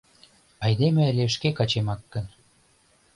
Айдеме але шке качемак гын...